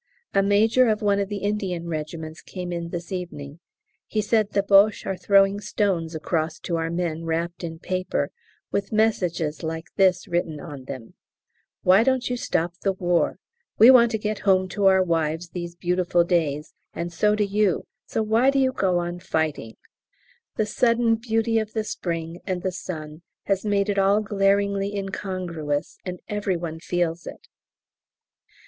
A major of one of the Indian regiments came in this evening. He said the Boches are throwing stones across to our men wrapped in paper with messages like this written on them, "Why don't you stop the War? We want to get home to our wives these beautiful days, and so do you, so why do you go on fighting?" The sudden beauty of the spring and the sun has made it all glaringly incongruous, and every one feels it.